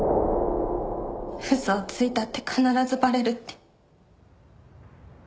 嘘をついたって必ずバレるって。